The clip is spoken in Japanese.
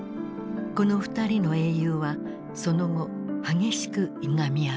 この二人の英雄はその後激しくいがみ合う。